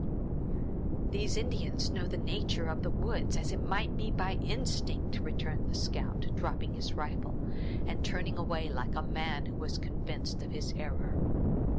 "These Indians know the nature of the woods, as it might be by instinct!" returned the scout, dropping his rifle, and turning away like a man who was convinced of his error.